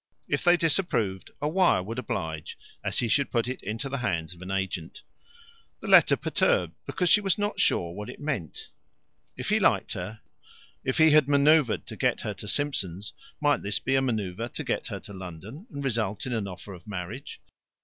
If they disapproved, a wire would oblige, as he should put it into the hands of an agent. The letter perturbed, because she was not sure what it meant. If he liked her, if he had manoeuvred to get her to Simpson's, might this be a manoeuvre to get her to London, and result in an offer of marriage?